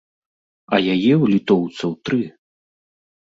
А яе ў літоўцаў тры!